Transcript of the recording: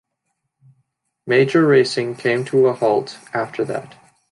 Major racing came to a halt after that.